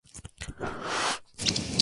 Sydney Smith.